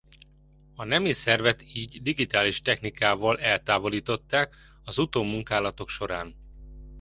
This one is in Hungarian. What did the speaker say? A nemi szervet így digitális technikával eltávolították az utómunkálatok során.